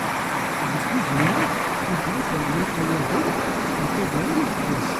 Deg yigemmaḍ n tlata n yikayaden n taggara n useggas.